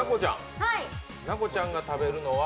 奈子ちゃんが食べるのは？